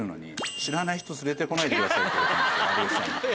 有吉さんに。